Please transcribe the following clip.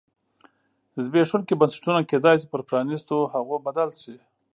زبېښونکي بنسټونه کېدای شي پر پرانیستو هغو بدل شي.